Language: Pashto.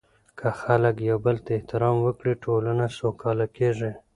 که خلک یو بل ته احترام ورکړي، ټولنه سوکاله کیږي.